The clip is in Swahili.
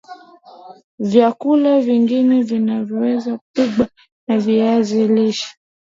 Vyakula vingine vinavyoweza kupikwa na viazi lishe